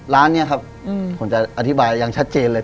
ร้านนี้ครับผมจะอธิบายอย่างชัดเจนเลย